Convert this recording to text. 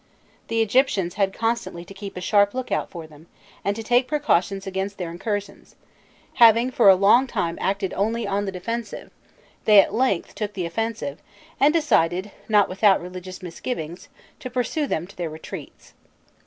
The Egyptians had constantly to keep a sharp look out for them, and to take precautions against their incursions; having for a long time acted only on the defensive, they at length took the offensive, and decided, not without religious misgivings, to pursue them to their retreats.